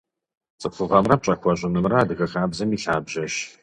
Цӏыхугъэмрэ пщӏэ хуэщӏынымрэ адыгэ хабзэм и лъабжьэщ.